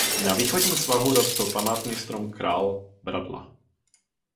Na východním svahu rostl památný strom Král Bradla.